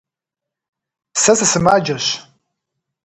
Se sısımaceş.